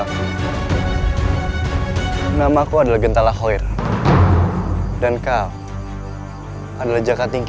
sebelum kau kembali kesana paul aqueco akan membawakan makhluk